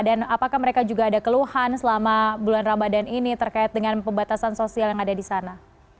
dan apakah mereka juga ada keluhan selama bulan ramadan ini terkait dengan pembatasan sosial yang ada di sana